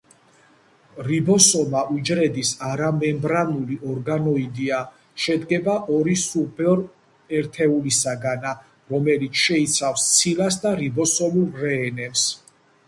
რიბოსომა უჯრედის არამემბრანული ორგანოიდია შედგება ორი სუბერთეულისაგან , რომელიც შეიცავს ცილას და რიბოსომულ რნმ-ს.